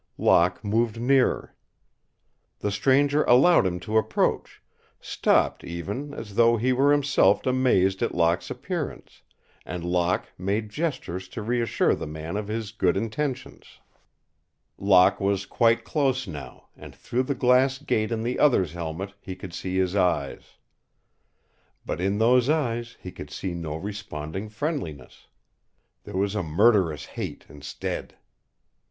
Locke moved nearer. The stranger allowed him to approach, stopped, even, as though he were himself amazed at Locke's appearance, and Locke made gestures to reassure the man of his good intentions. Locke was quite close now, and through the glass gate in the other's helmet he could see his eyes. But in those eyes he could see no responding friendliness. There was a murderous hate instead.